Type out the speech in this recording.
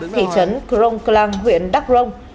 khỉ trấn kronklang huyện đắk rông